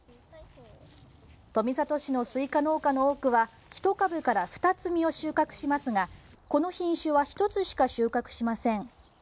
富里市のスイカ農家の多くは１株から２つ、実を収穫しますがこの品種は１つしか収穫しません。